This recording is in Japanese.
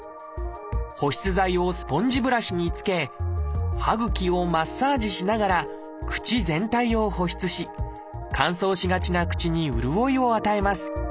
保湿剤をスポンジブラシにつけ歯ぐきをマッサージしながら口全体を保湿し乾燥しがちな口に潤いを与えます。